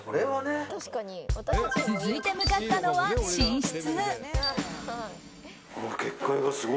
続いて向かったのは寝室。